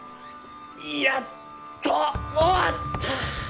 やっと終わった。